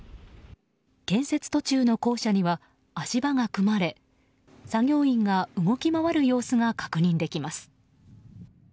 建設途中の校舎には足場が組まれ作業員が動き回る様子が確認できます。